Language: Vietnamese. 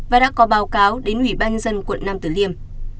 và đã có báo cáo đến ủy ban nhân dân quận nam tử liêm